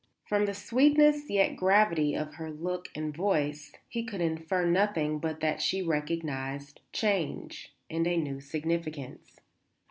From the sweetness, yet gravity, of her look and voice he could infer nothing but that she recognized change and a new significance.